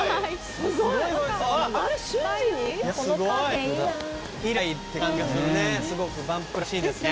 すごいね！